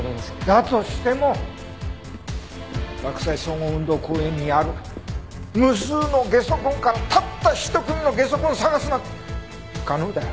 だとしても洛西総合運動公園にある無数のゲソ痕からたった一組のゲソ痕を捜すなんて不可能だよ。